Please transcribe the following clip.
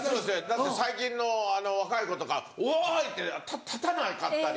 だって最近の若い子とか「おい！」って立たなかったり。